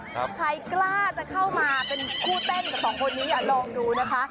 ใครกล้าจะเข้ามาเป็นคู่เต้นกับสองคนนี้ลองดูนะคะ